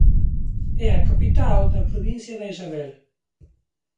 É a capital da provincia de Isabel.